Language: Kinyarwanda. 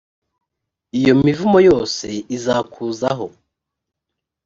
iyo mivumo yose izakuzaho,